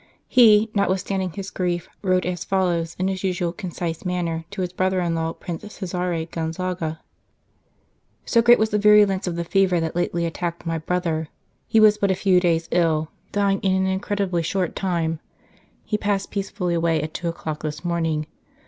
He, notwithstanding his grief, wrote as follows, in his usual concise manner, to his brother in law, Prince Cesare Gonzaga :" So great was the virulence of the fever that lately attacked my brother, he was but a few days ill, dying in an incredibly short time. He passed peacefully away at two o clock this morning.